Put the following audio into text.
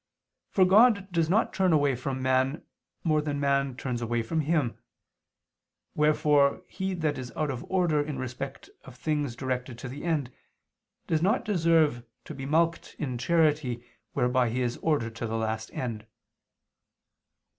For God does not turn away from man, more than man turns away from Him: wherefore he that is out of order in respect of things directed to the end, does not deserve to be mulcted in charity whereby he is ordered to the last end.